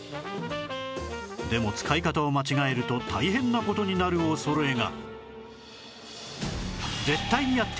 でも使い方を間違えると大変な事になる恐れが